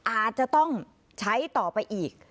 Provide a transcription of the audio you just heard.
อาจจะต้องใช้ต่อไปอีก